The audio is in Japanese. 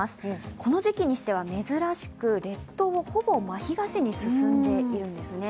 この時期にしては珍しく列島をほぼ真東に進んでいるんですね。